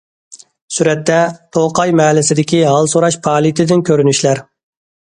سۈرەتتە: توقاي مەھەللىسىدىكى ھال سوراش پائالىيىتىدىن كۆرۈنۈشلەر.